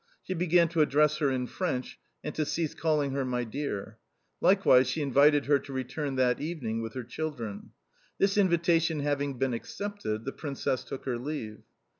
She began to address her in French and to cease calling her "my dear." Likewise she invited her to return that evening with her children. This invitation having been accepted, the Princess took her leave.